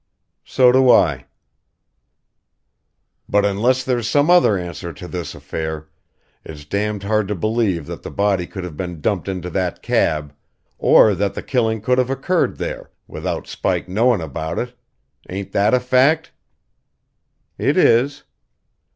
"So do I." "But unless there's some other answer to this affair it's damned hard to believe that the body could have been dumped into that cab, or that the killing could have occurred there, without Spike knowing about it. Ain't that a fact?" "It is."